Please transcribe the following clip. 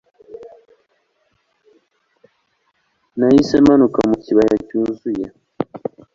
Nahise manuka mu kibaya cyuzuye